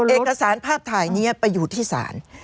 เอกสารภาพถ่ายนี้ไปอยู่ที่ศาล